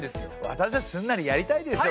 私だってすんなりやりたいですよ。